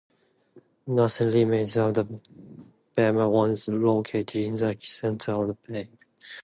Nothing remains of the bema once located in the center of the nave.